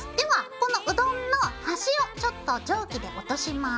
このうどんのはしをちょっと定規で落とします。